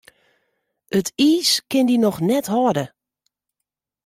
It iis kin dy noch net hâlde.